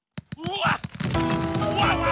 うわ！